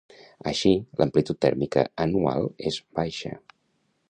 Així, l'amplitud tèrmica anual és baixa.